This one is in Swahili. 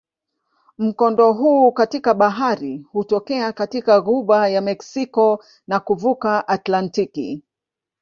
Mkondo huu katika bahari hutokea katika ghuba ya Meksiko na kuvuka Atlantiki.